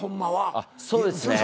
あっそうですね。